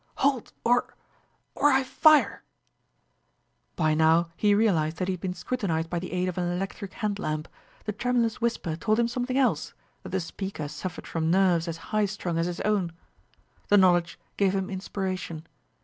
"Halt or or I fire!" By now he realized that he had been scrutinized by the aid of an electric hand lamp. The tremulous whisper told him something else that the speaker suffered from nerves as high strung as his own. The knowledge gave him inspiration.